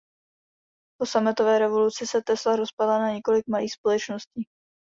Po sametové revoluci se Tesla rozpadla na několik malých společností.